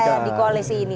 kayak di koalisi ini